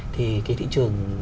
thì cái thị trường